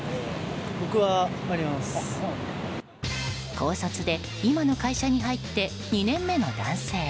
高卒で今の会社に入って２年目の男性。